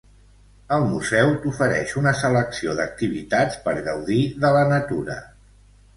El museu t'ofereix una selecció d'activitats per gaudir de la natura.